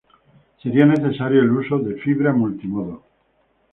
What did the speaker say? Sería necesario el uso de fibra multimodo.